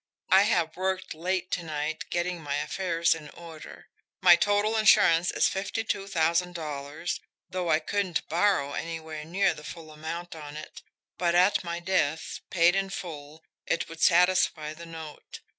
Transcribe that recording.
"I have worked late to night getting my affairs in order. My total insurance is fifty two thousand dollars, though I couldn't BORROW anywhere near the full amount on it but at my death, paid in full, it would satisfy the note.